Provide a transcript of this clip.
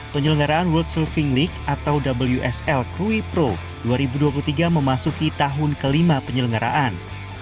penyelenggaraan world surfing league atau wsl krui pro dua ribu dua puluh tiga memasuki tahun kelima penyelenggaraan